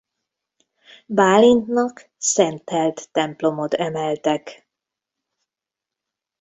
Bálintnak szentelt templomot emeltek.